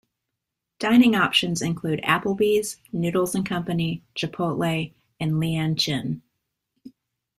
Dining options include Applebee's, Noodles and Company, Chipotle, and Leeann Chin.